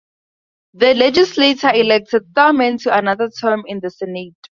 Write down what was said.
The legislature elected Thurman to another term in the Senate.